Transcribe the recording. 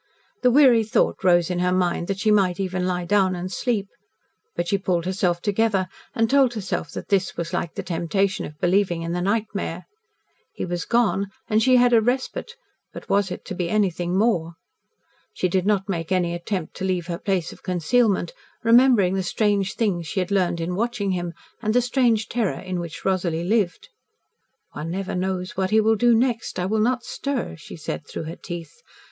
The weary thought rose in her mind that she might even lie down and sleep. But she pulled herself together and told herself that this was like the temptation of believing in the nightmare. He was gone, and she had a respite but was it to be anything more? She did not make any attempt to leave her place of concealment, remembering the strange things she had learned in watching him, and the strange terror in which Rosalie lived. "One never knows what he will do next; I will not stir," she said through her teeth.